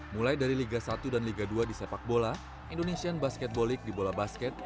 mulai dari liga satu dan liga dua di sepak bola indonesian basketball league di bola basket